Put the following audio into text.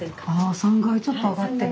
３階ちょっと上がってみよう。